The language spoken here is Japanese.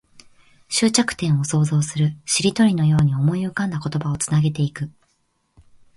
終着点を想像する。しりとりのように思い浮かんだ言葉をつなげていく。